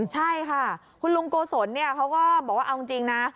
ใช่ค่ะคุณลุงโกศลเขาก็บอกว่าเอาจริงนะ